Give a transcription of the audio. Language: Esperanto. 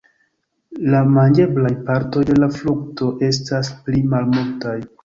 La manĝeblaj partoj de la frukto estas pli malmultaj.